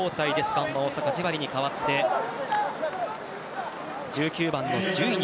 ガンバ大阪、ジェバリに代わって１９番、ジュイニ。